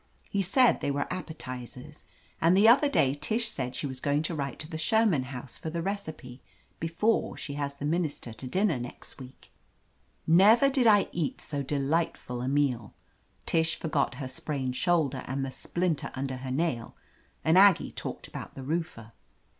He said they were appetizers, and the other day Tish said she was going to write to the Sherman House for the recipe before she has the minister to dinner next week. Never did I eat so delightful a meal. Tish forgot her sprained shoulder and the splinter 25s THE AMAZING ADVENTURES under her nail, and Aggie talked about the roofer.